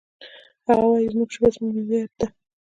هغه وایي چې زموږ ژبه زموږ هویت ده